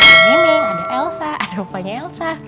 ada neneng ada elsa ada rupanya elsa